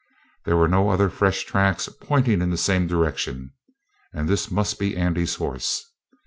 There were no other fresh tracks pointing in the same direction, and this must be Andy's horse.